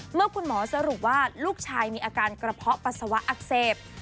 เมื่อคุณหมอสรุปว่าลูกชายมีอาการกระเพาะปัสสาวะอักเสบ